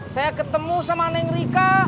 saya ketemu sama neng rika